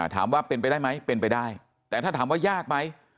ถามว่าเป็นไปได้ไหมเป็นไปได้แต่ถ้าถามว่ายากไหม